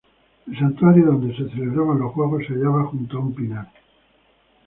El santuario donde se celebraban los juegos se hallaba junto a un pinar.